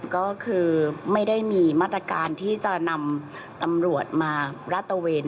ก็คือไม่ได้มีมาตรการที่จะนำตำรวจมาราดตะเวน